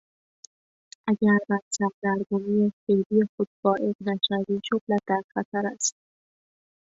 اگر بر سردرگمی فعلی خود فائق نشوی شغلت در خطر است.